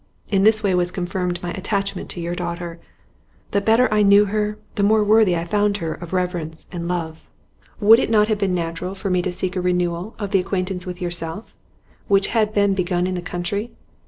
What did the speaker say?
In this way was confirmed my attachment to your daughter. The better I knew her, the more worthy I found her of reverence and love. 'Would it not have been natural for me to seek a renewal of the acquaintance with yourself which had been begun in the country?